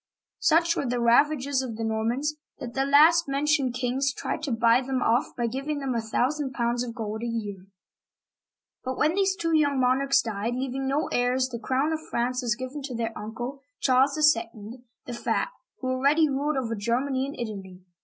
Such were the ravages of the Normans that the last mentioned kings tried to buy them off by giving them a thousand pounds of gold a year. But when these two young monarchs died, leaving no heirs, the crown of France was given to their uncle, Charles II., the Fat, who already ruled over Germany and Italy.